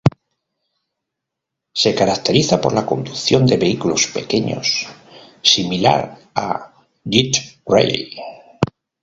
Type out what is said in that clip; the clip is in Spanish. Se caracteriza por la conducción de vehículos pequeños, similar a Death Rally.